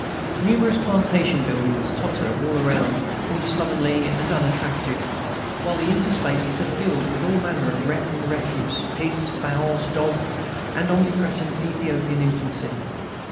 Numerous plantation buildings totter around, all slovenly and unattractive, while the interspaces are filled with all manner of wreck and refuse, pigs, fowls, dogs, and omnipresent Ethiopian infancy.